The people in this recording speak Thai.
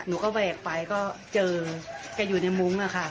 หนูก็แหวกไปก็เจอแกอยู่ในมุ้งอะค่ะ